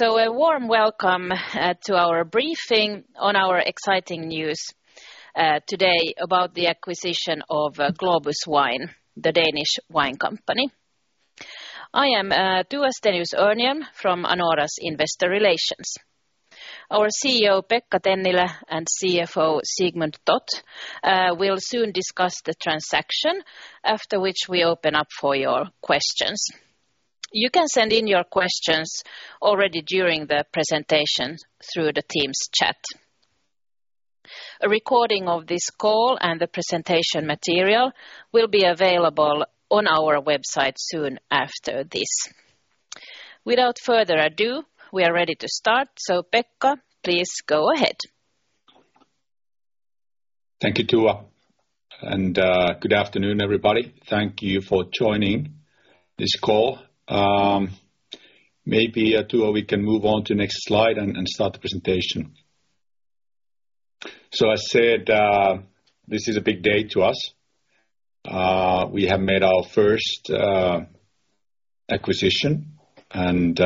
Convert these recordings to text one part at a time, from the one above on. A warm welcome to our briefing on our exciting news today about the acquisition of Globus Wine, the Danish wine company. I am Tua Stenius-Örnhjelm from Anora's Investor Relations. Our CEO, Pekka Tennilä, and CFO, Sigmund Toth, will soon discuss the transaction, after which we open up for your questions. You can send in your questions already during the presentation through the team's chat. A recording of this call and the presentation material will be available on our website soon after this. Without further ado, we are ready to start. Pekka, please go ahead. Thank you, Tua. Good afternoon, everybody. Thank you for joining this call. Maybe Tua, we can move on to the next slide and start the presentation. As I said, this is a big day for us. We have made our first acquisition, and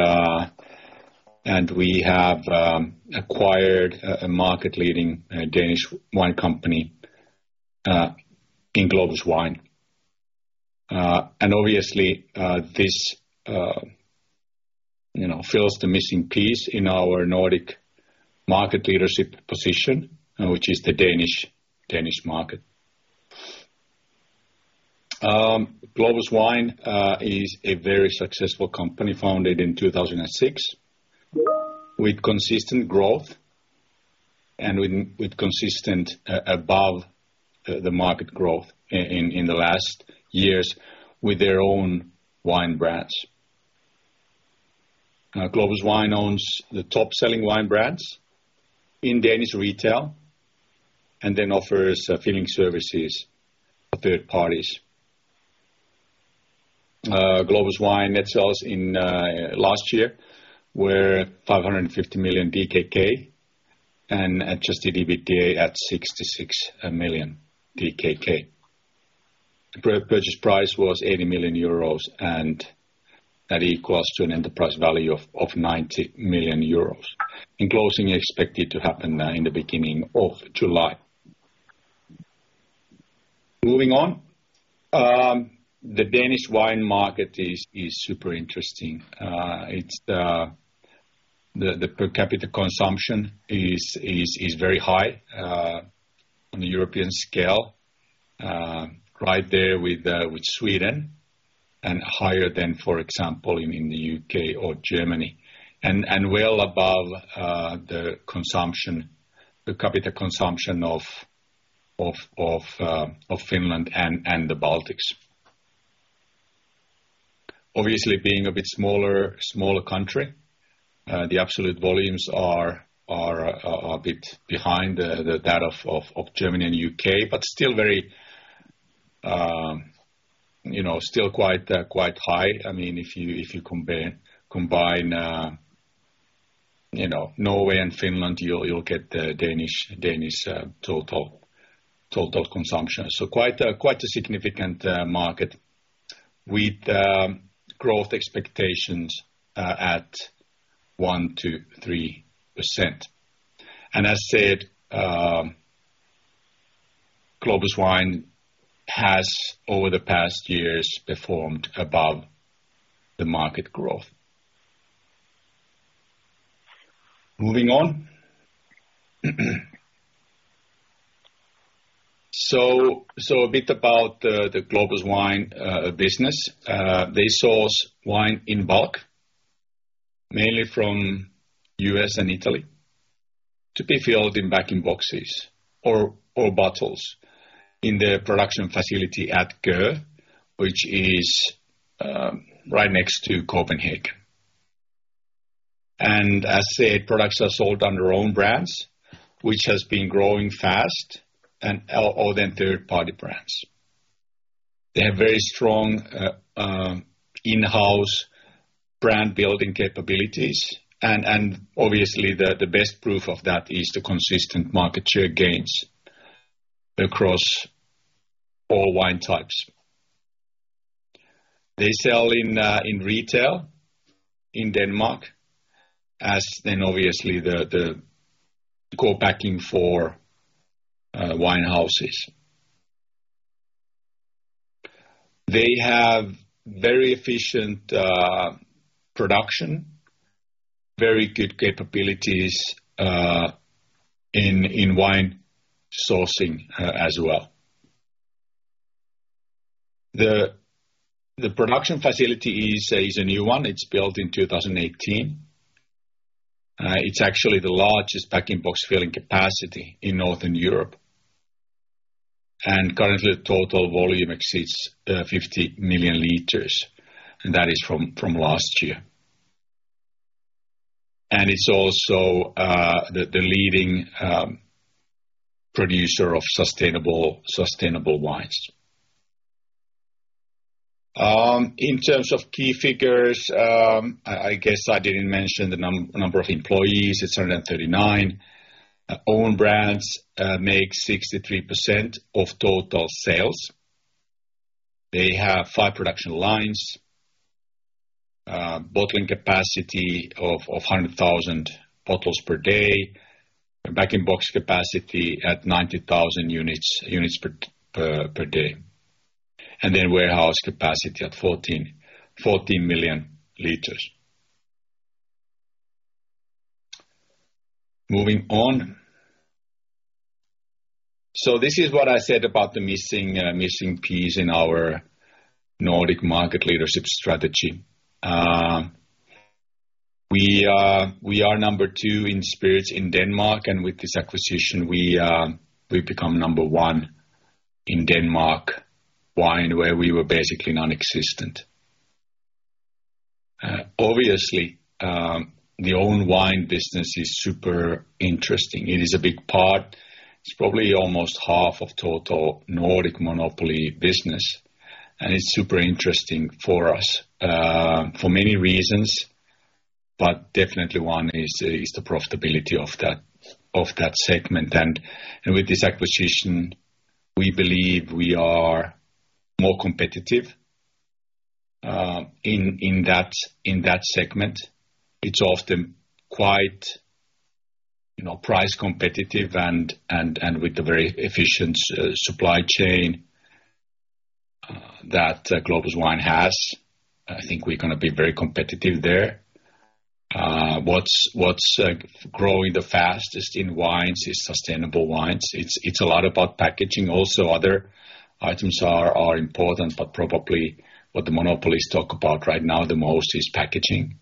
we have acquired a market-leading Danish wine company, Globus Wine. Obviously, this you know fills the missing piece in our Nordic market leadership position, which is the Danish market. Globus Wine is a very successful company founded in 2006, with consistent growth and with consistent above the market growth in the last years with their own wine brands. Globus Wine owns the top-selling wine brands in Danish retail and offers filling services for third parties. Globus Wine net sales in last year were 550 million DKK and Adjusted EBITDA at 66 million DKK. The purchase price was 80 million euros, and that equals to an enterprise value of 90 million euros. Closing expected to happen in the beginning of July. Moving on, the Danish wine market is super interesting. It's the per capita consumption is very high on the European scale, right there with Sweden and higher than, for example, in the U.K. or Germany, and well above the per capita consumption of Finland and the Baltics. Obviously, being a bit smaller country, the absolute volumes are a bit behind the data of Germany and U.K., but still very, you know, still quite high. I mean, if you compare, combine, you know, Norway and Finland, you'll get the Danish total consumption. Quite a significant market with growth expectations at 1%-3%. As said, Globus Wine has over the past years performed above the market growth. Moving on. A bit about the Globus Wine business. They source wine in bulk, mainly from U.S. and Italy, to be filled in bag-in-boxes or bottles in their production facility at Køge, which is right next to Copenhagen. As said, products are sold under own brands, which has been growing fast and all their third-party brands. They have very strong in-house brand-building capabilities, and obviously, the best proof of that is the consistent market share gains across all wine types. They sell in retail in Denmark and then obviously the co-packing for wine houses. They have very efficient production, very good capabilities in wine sourcing as well. The production facility is a new one. It's built in 2018. It's actually the largest bag-in-box filling capacity in Northern Europe. Currently, the total volume exceeds 50 million liters, and that is from last year. It's also the leading producer of sustainable wines. In terms of key figures, I guess I didn't mention the number of employees. It's 139. Own brands make 63% of total sales. They have five production lines, bottling capacity of 100,000 bottles per day, bag-in-box capacity at 90,000 units per day, and then warehouse capacity at 14 million liters. Moving on. This is what I said about the missing piece in our Nordic market leadership strategy. We are number two in spirits in Denmark, and with this acquisition, we become number one in Denmark wine, where we were basically non-existent. Obviously, the own wine business is super interesting. It is a big part. It's probably almost half of total Nordic monopoly business, and it's super interesting for us for many reasons, but definitely one is the profitability of that segment. With this acquisition, we believe we are more competitive in that segment. It's often quite price competitive and with the very efficient supply chain that Globus Wine has, I think we're gonna be very competitive there. What's growing the fastest in wines is sustainable wines. It's a lot about packaging also. Other items are important, but probably what the monopolies talk about right now the most is packaging.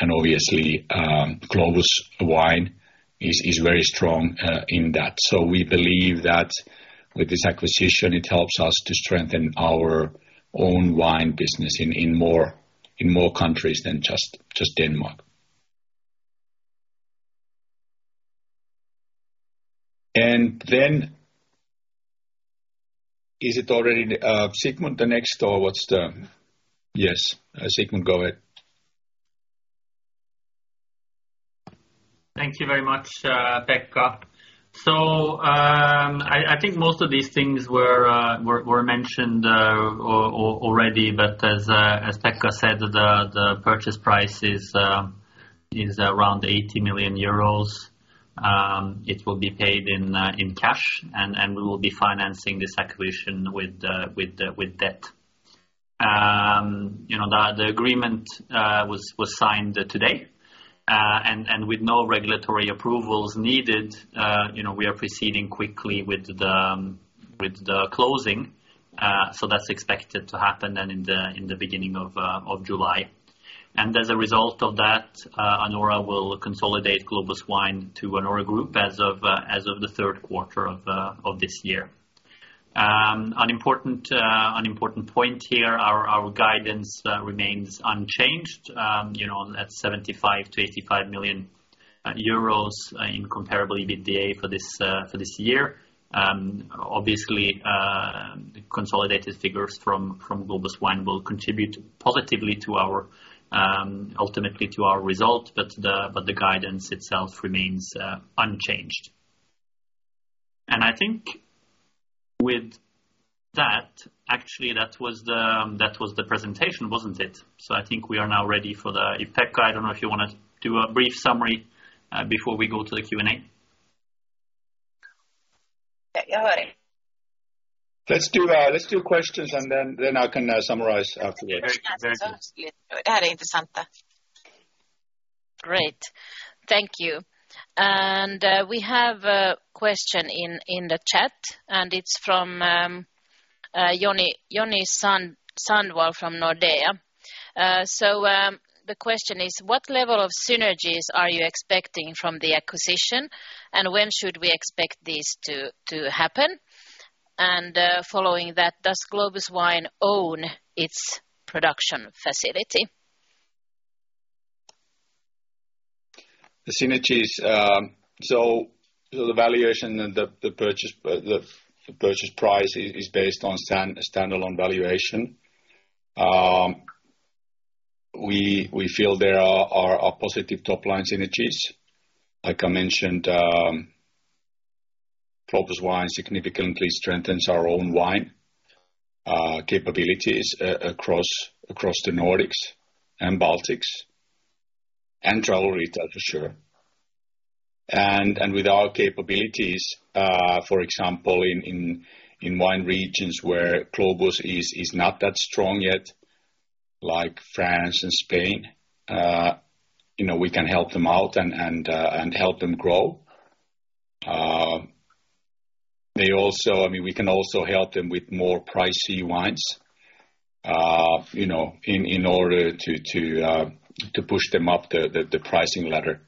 Obviously, Globus Wine is very strong in that. We believe that with this acquisition, it helps us to strengthen our own wine business in more countries than just Denmark. Is it already Sigmund the next, or what's the? Yes. Sigmund, go ahead. Thank you very much, Pekka. I think most of these things were mentioned already, but as Pekka said, the purchase price is around EUR 80 million. It will be paid in cash, and we will be financing this acquisition with debt. You know, the agreement was signed today, and with no regulatory approvals needed, you know, we are proceeding quickly with the closing. That's expected to happen in the beginning of July. As a result of that, Anora will consolidate Globus Wine to Anora Group as of the third quarter of this year. An important point here, our guidance remains unchanged, you know, at 75 million-85 million euros in comparable EBITDA for this year. Obviously, consolidated figures from Globus Wine will contribute positively to our, ultimately to our result, but the guidance itself remains unchanged. I think with that, actually that was the presentation, wasn't it? I think we are now ready for the Q&A. Pekka, I don't know if you wanna do a brief summary before we go to the Q&A. Let's do questions and then I can summarize after that. Great. Thank you. We have a question in the chat, and it's from Joni Sandvall from Nordea. The question is, what level of synergies are you expecting from the acquisition, and when should we expect these to happen? Following that, does Globus Wine own its production facility? The synergies. The valuation and the purchase price is based on standalone valuation. We feel there are positive top-line synergies. Like I mentioned, Globus Wine significantly strengthens our own wine capabilities across the Nordics and Baltics and travel retail for sure. With our capabilities, for example, in wine regions where Globus is not that strong yet, like France and Spain, you know, we can help them out and help them grow. I mean, we can also help them with more pricey wines, you know, in order to push them up the pricing ladder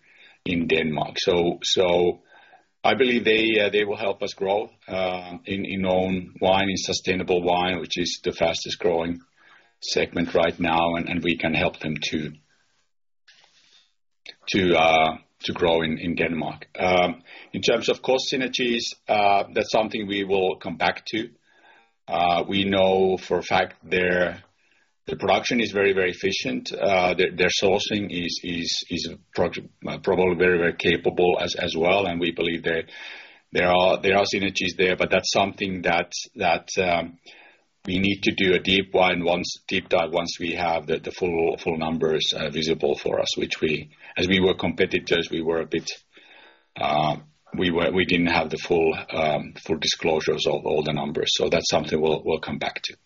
in Denmark. I believe they will help us grow in own wine and sustainable wine, which is the fastest-growing segment right now, and we can help them to grow in Denmark. In terms of cost synergies, that's something we will come back to. We know for a fact the production is very efficient. Their sourcing is probably very capable as well, and we believe that there are synergies there, but that's something that we need to do a deep dive once we have the full numbers visible for us, which, as we were competitors, we were a bit, we didn't have the full disclosures of all the numbers. That's something we'll come back to.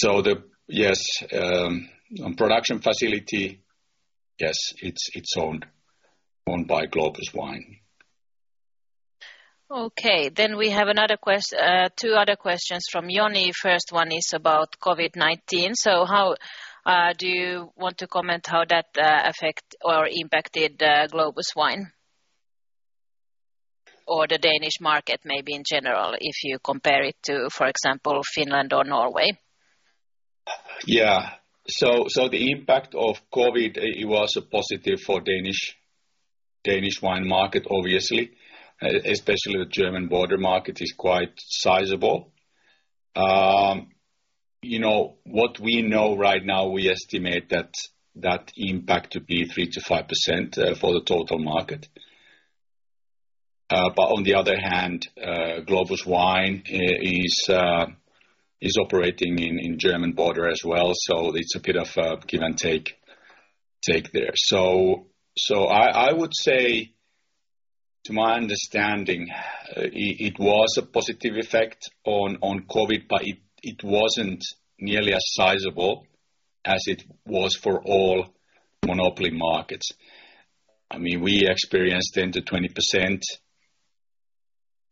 The production facility, yes, it's owned by Globus Wine. Okay. We have two other questions from Joni. First one is about COVID-19. How do you want to comment how that affect or impacted Globus Wine? Or the Danish market maybe in general, if you compare it to, for example, Finland or Norway. Yeah. The impact of COVID was positive for the Danish wine market, obviously, especially the German border trade is quite sizable. You know, what we know right now, we estimate that impact to be 3%-5% for the total market. On the other hand, Globus Wine is operating in German border trade as well. It's a bit of give and take there. I would say to my understanding, it was a positive effect on COVID, but it wasn't nearly as sizable as it was for all monopoly markets. I mean, we experienced 10%-20%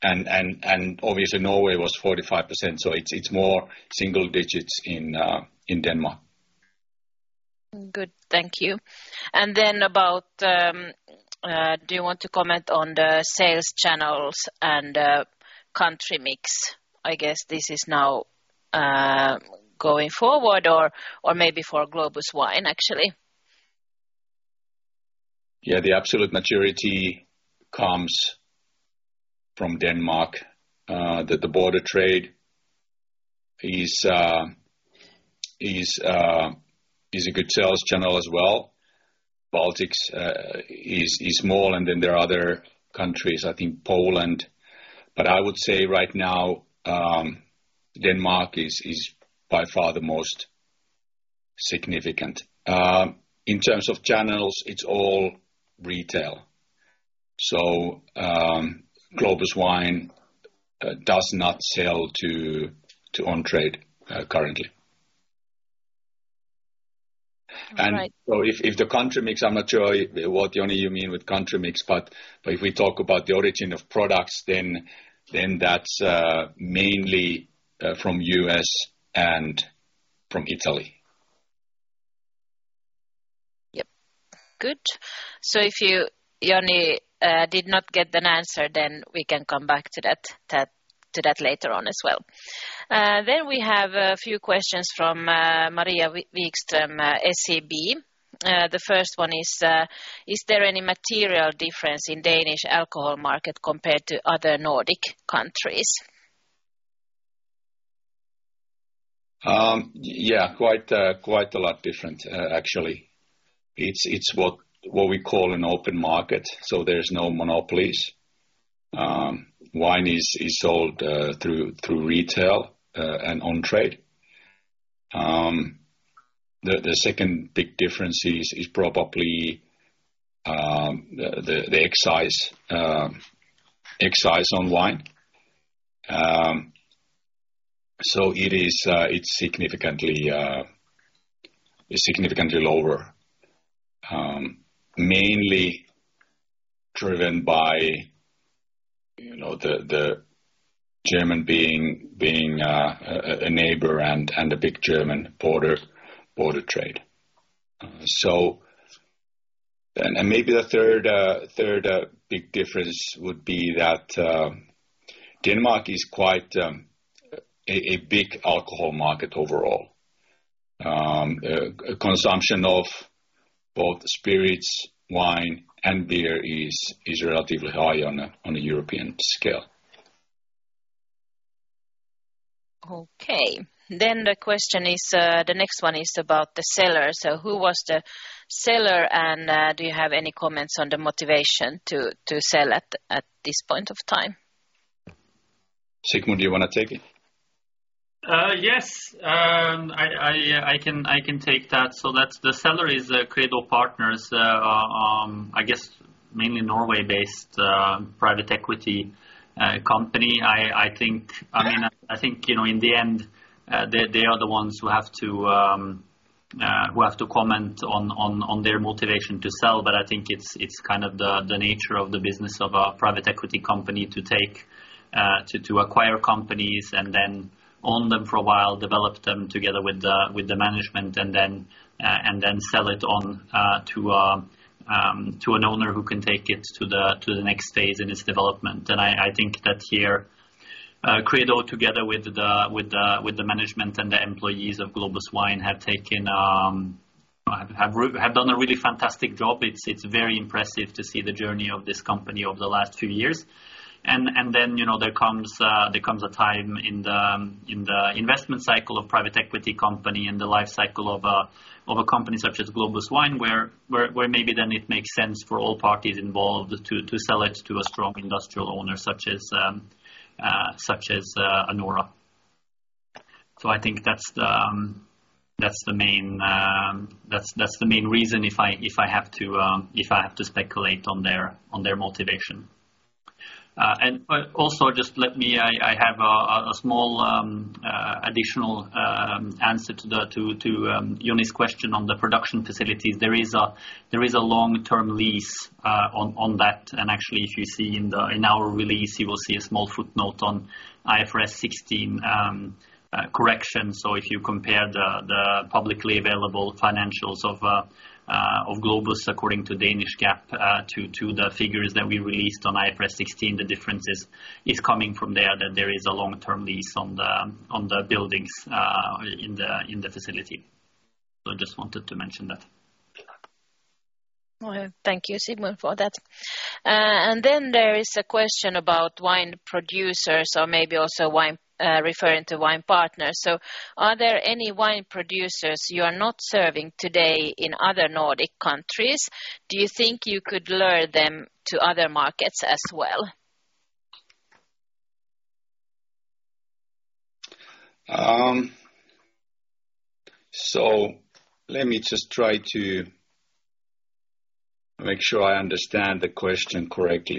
and obviously, Norway was 45%, so it's more single digits in Denmark. Good. Thank you. About, do you want to comment on the sales channels and country mix? I guess this is now going forward or maybe for Globus Wine, actually. Yeah. The absolute majority comes from Denmark, that the border trade is a good sales channel as well. Baltics is more, and then there are other countries, I think Poland. But I would say right now, Denmark is by far the most significant. In terms of channels, it's all retail. Globus Wine does not sell to on trade currently. All right. If the country mix, I'm not sure what, Joni, you mean with country mix, but if we talk about the origin of products, then that's mainly from US and from Italy. Yep. Good. If you, Joni, did not get an answer, then we can come back to that later on as well. We have a few questions from Maria Wikström, SEB. The first one is there any material difference in Danish alcohol market compared to other Nordic countries? Yeah, quite a lot different, actually. It's what we call an open market, so there's no monopolies. Wine is sold through retail and on trade. The second big difference is probably the excise on wine. So it is significantly lower, mainly driven by, you know, the German being a neighbor and a big German border trade. Maybe the third big difference would be that Denmark is quite a big alcohol market overall. Consumption of both spirits, wine, and beer is relatively high on a European scale. Okay. The question is, the next one is about the seller. Who was the seller, and do you have any comments on the motivation to sell at this point of time? Sigmund, do you wanna take it? Yes. I can take that. That's the seller is Credo Partners, I guess mainly Norway-based private equity company. I think, I mean, you know, in the end, they are the ones who have to comment on their motivation to sell. I think it's kind of the nature of the business of a private equity company to acquire companies and then own them for a while, develop them together with the management, and then sell it on to an owner who can take it to the next phase in its development. I think that here, Credo together with the management and the employees of Globus Wine have done a really fantastic job. It's very impressive to see the journey of this company over the last few years. You know, there comes a time in the investment cycle of private equity company and the life cycle of a company such as Globus Wine where maybe then it makes sense for all parties involved to sell it to a strong industrial owner such as Anora. I think that's the main reason if I have to speculate on their motivation. I have a small additional answer to Joni's question on the production facilities. There is a long-term lease on that. Actually, if you see in our release, you will see a small footnote on IFRS 16 correction. If you compare the publicly available financials of Globus according to Danish GAAP to the figures that we released on IFRS 16, the differences is coming from there, that there is a long-term lease on the buildings in the facility. I just wanted to mention that. Oh, thank you, Sigmund, for that. There is a question about wine producers or maybe also wine partners. Are there any wine producers you are not serving today in other Nordic countries? Do you think you could lure them to other markets as well? Let me just try to make sure I understand the question correctly.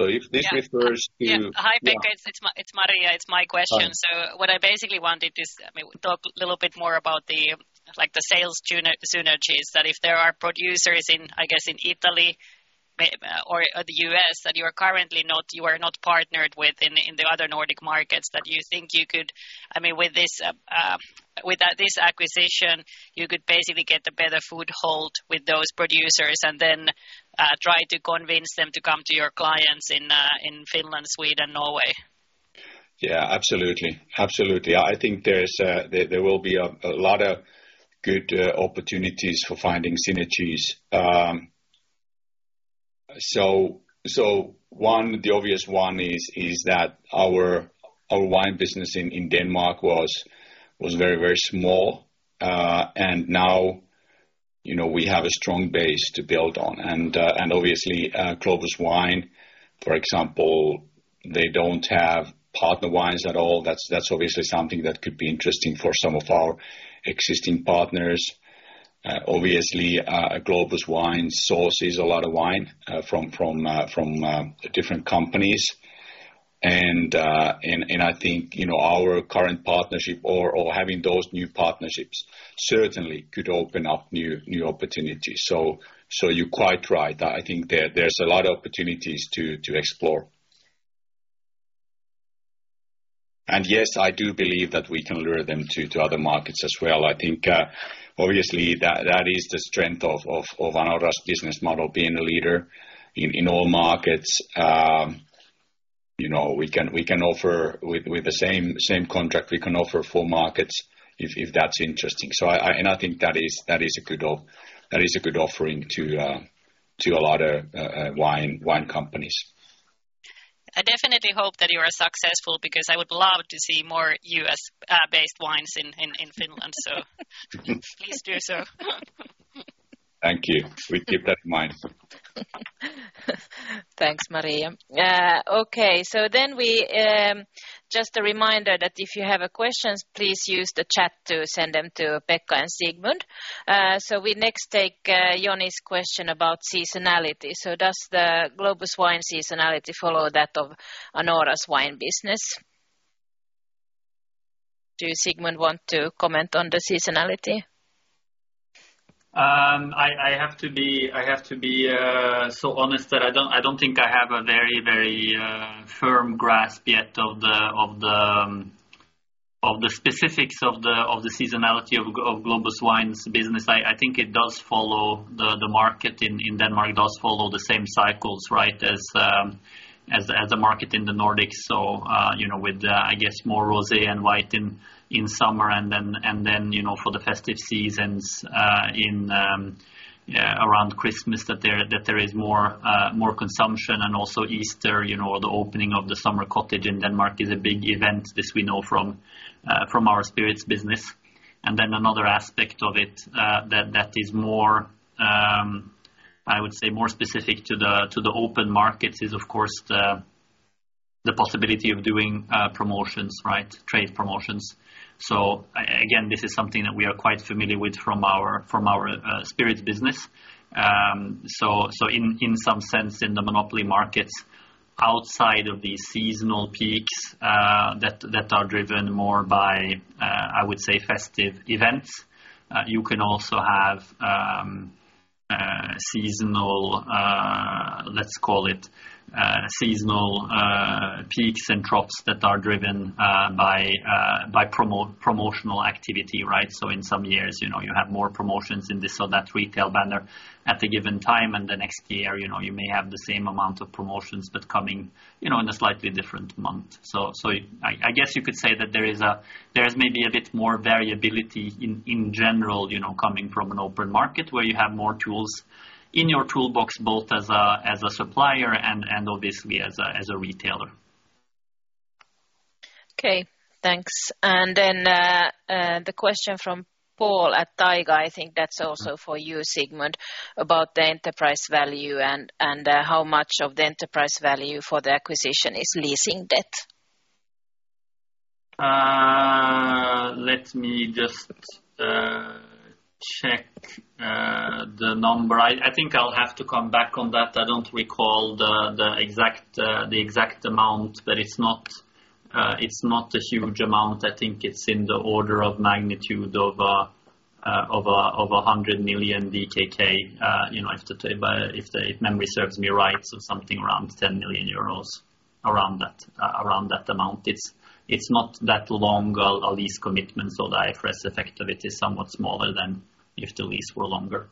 Yeah. Hi, Pekka. It's Maria. It's my question. Hi. What I basically wanted is, I mean, to talk a little bit more about the, like, the sales synergies that if there are producers in, I guess, in Italy or the US that you are currently not partnered with in the other Nordic markets that you think you could. I mean, with this acquisition, you could basically get a better foothold with those producers and then try to convince them to come to your clients in Finland, Sweden, Norway. Yeah, absolutely. I think there will be a lot of good opportunities for finding synergies. One, the obvious one is that our wine business in Denmark was very small. Now, you know, we have a strong base to build on. Obviously, Globus Wine, for example, they don't have partner wines at all. That's obviously something that could be interesting for some of our existing partners. Obviously, Globus Wine sources a lot of wine from different companies. I think, you know, our current partnership or having those new partnerships certainly could open up new opportunities. You're quite right. I think there's a lot of opportunities to explore. Yes, I do believe that we can lure them to other markets as well. I think, obviously that is the strength of Anora's business model being a leader in all markets. You know, we can offer with the same contract, we can offer four markets if that's interesting. I think that is a good offering to a lot of wine companies. I definitely hope that you are successful because I would love to see more U.S. based wines in Finland. Please do so. Thank you. We keep that in mind. Thanks, Maria. Okay. We just a reminder that if you have questions, please use the chat to send them to Pekka and Sigmund. We next take Joni's question about seasonality. Does the Globus Wine seasonality follow that of Anora's wine business? Do Sigmund want to comment on the seasonality? I have to be so honest that I don't think I have a very firm grasp yet of the specifics of the seasonality of Globus Wine's business. I think it does follow the market in Denmark. It does follow the same cycles, right, as the market in the Nordics. You know, with, I guess more rosé and white in summer and then, you know, for the festive seasons around Christmas that there is more consumption and also Easter, you know. The opening of the summer cottage in Denmark is a big event. This we know from our spirits business. Then another aspect of it that is more, I would say, more specific to the open markets is, of course, the possibility of doing promotions, right? Trade promotions. Again, this is something that we are quite familiar with from our spirits business. In some sense, in the monopoly markets outside of the seasonal peaks that are driven more by, I would say, festive events, you can also have seasonal, let's call it, seasonal peaks and drops that are driven by promotional activity, right? In some years, you know, you have more promotions in this or that retail banner at a given time, and the next year, you know, you may have the same amount of promotions but coming, you know, in a slightly different month. I guess you could say that there is maybe a bit more variability in general, you know, coming from an open market where you have more tools in your toolbox, both as a supplier and obviously as a retailer. Okay, thanks. The question from Paul at Tigera, I think that's also for you, Sigmund, about the enterprise value and how much of the enterprise value for the acquisition is leasing debt. Let me just check the number. I think I'll have to come back on that. I don't recall the exact amount, but it's not a huge amount. I think it's in the order of magnitude of 100 million DKK. You know, if the memory serves me right, so something around 10 million euros, around that amount. It's not that long a lease commitment, so the IFRS effect of it is somewhat smaller than if the lease were longer.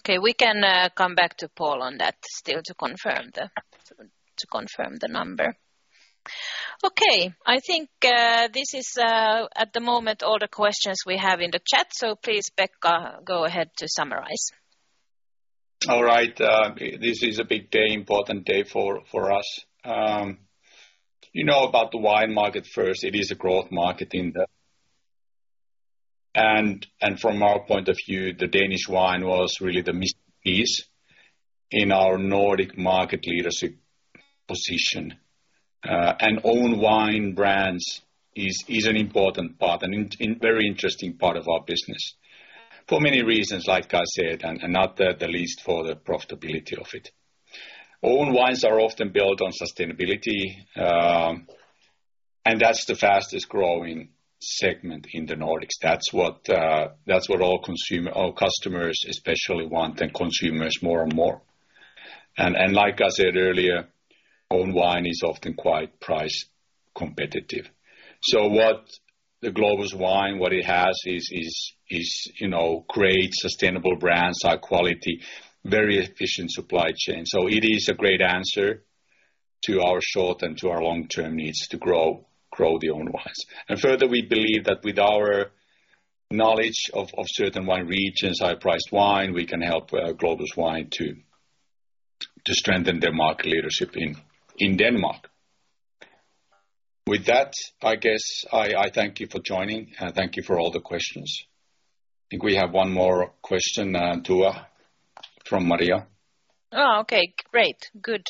Okay. We can come back to Paul on that still to confirm the number. Okay. I think this is at the moment all the questions we have in the chat. Please, Pekka, go ahead to summarize. All right. This is a big day, important day for us. You know about the wine market first. It is a growth market. From our point of view, the Danish wine was really the miss in our Nordic market leadership position. Own wine brands is an important part, very interesting part of our business for many reasons, like I said, and not the least for the profitability of it. Own wines are often built on sustainability, and that's the fastest growing segment in the Nordics. That's what all customers especially want, and consumers more and more. Like I said earlier, own wine is often quite price competitive. What the Globus Wine has is, you know, great sustainable brands, high quality, very efficient supply chain. It is a great answer to our short and to our long-term needs to grow their own wines. Further, we believe that with our knowledge of certain wine regions, high-priced wine, we can help Globus Wine to strengthen their market leadership in Denmark. With that, I guess, I thank you for joining, and thank you for all the questions. I think we have one more question, Tua Stenius-Örnhjelm, from Maria Wikström. Oh, okay. Great. Good.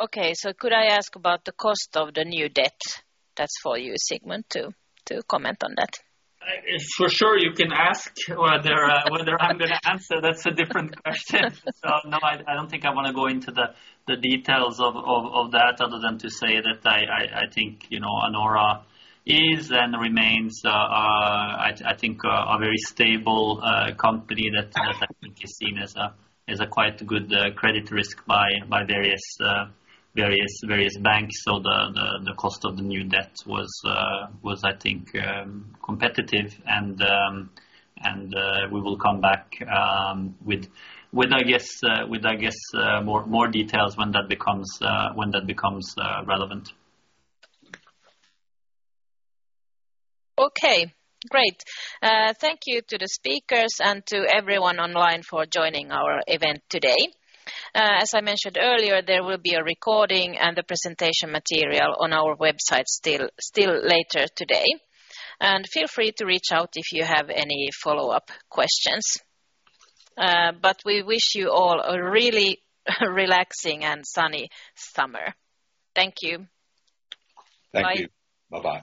Okay. Could I ask about the cost of the new debt? That's for you, Sigmund, to comment on that. For sure, you can ask. Whether I'm gonna answer, that's a different question. No, I don't think I wanna go into the details of that other than to say that I think, you know, Anora is and remains. I think a very stable company that I think is seen as a quite good credit risk by various banks. The cost of the new debt was I think competitive, and we will come back with I guess more details when that becomes relevant. Okay. Great. Thank you to the speakers and to everyone online for joining our event today. As I mentioned earlier, there will be a recording and the presentation material on our website still later today. Feel free to reach out if you have any follow-up questions. We wish you all a really relaxing and sunny summer. Thank you. Bye. Thank you. Bye-bye.